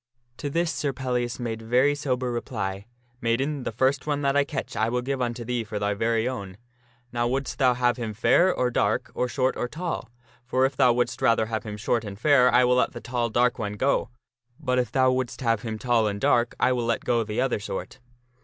To this Sir Pellias made very sober reply, " Maiden, the first one that I catch I will give unto thee for thy very own. Now wouldst thou have him fair or dark, or short or tall? For if thou wouldst rather have him short and fair I will let the tall, dark one go ; but if thou wouldst have him tall and dark, I will let go the other sort."